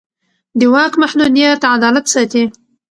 د واک محدودیت عدالت ساتي